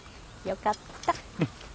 よかった。